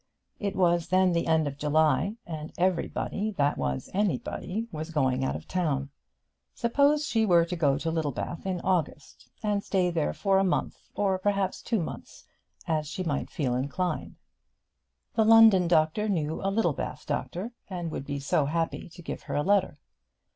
It was then the end of July, and everybody that was anybody was going out of town. Suppose she were to go to Littlebath in August, and stay there for a month, or perhaps two months, as she might feel inclined. The London doctor knew a Littlebath doctor, and would be so happy to give her a letter.